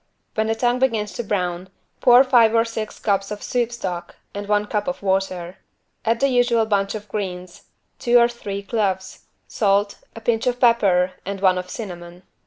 When the tongue begins to brown, pour five or six cups of soup stock and one cup of water. Add the usual bunch of greens, two or three cloves, salt, a pinch of pepper and one of cinnamon.